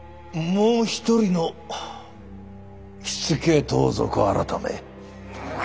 もう一人の火付盗賊改。